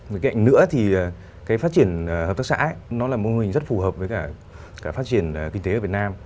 một khía cạnh nữa thì phát triển hợp tác xã là mô hình rất phù hợp với phát triển kinh tế ở việt nam